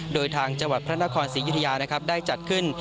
โดยทางจังหวัดพระนครศรียุธยานะครับได้จัดขึ้น